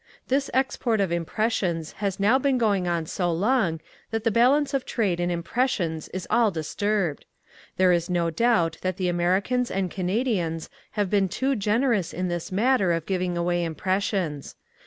This export of impressions has now been going on so long that the balance of trade in impressions is all disturbed. There is no doubt that the Americans and Canadians have been too generous in this matter of giving away impressions.